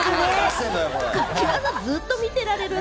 ずっと見ていられるね。